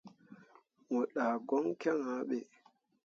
Mo ɗah goŋ kyaŋ ah ɓe.